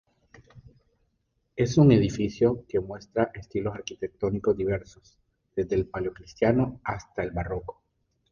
Es un edificio que muestra estilos arquitectónicos diversos, desde el paleocristiano hasta el Barroco.